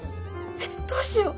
えっどうしよう！